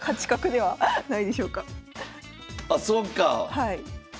はい。